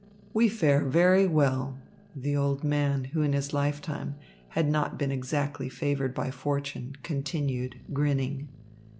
"We fare very well," the old man, who in his lifetime had not been exactly favoured by fortune, continued, grinning.